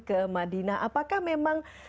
ke madinah apakah memang